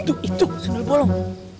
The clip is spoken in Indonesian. itu itu sundel bolong